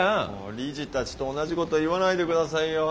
理事たちと同じこと言わないでくださいよ。